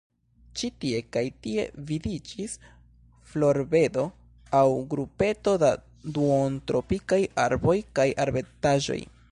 Ĉi tie kaj tie vidiĝis florbedo aŭ grupeto da duontropikaj arboj kaj arbetaĵoj.